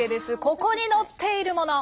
ここに載っているもの。